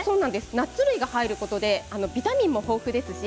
ナッツ類が入ることでビタミン豊富ですし